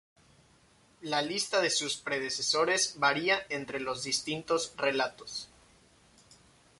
La lista de sus predecesores varía entre los distintos relatos.